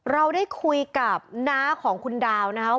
เราได้คุยกับน้าของคุณดาวนะครับ